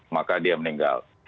maka dia meninggal